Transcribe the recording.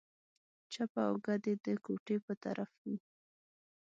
چپه اوږه دې د کوټې په طرف وي.